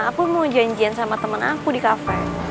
aku mau janjian sama temen aku di kafe